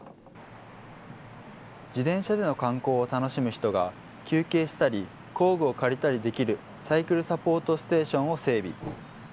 自転車での観光を楽しむ人が休憩したり、工具を借りたりできるサイクルサポートステーションを整備。